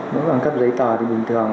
nếu bằng cấp giấy tờ thì bình thường